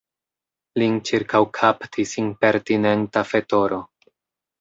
Lin ĉirkaŭkaptis impertinenta fetoro.